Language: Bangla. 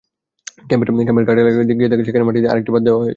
ক্যাম্পের ঘাট এলাকায় গিয়ে দেখা যায়, সেখানে মাটি দিয়ে আরেকটি বাঁধ দেওয়া হয়েছে।